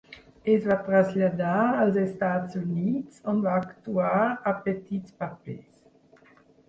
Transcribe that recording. Es va traslladar als Estats Units, on va actuar a petits papers.